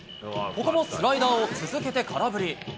ここもスライダーを続けて空振り。